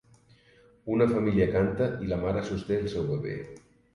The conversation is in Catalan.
Una família canta i la mare sosté el seu bebè.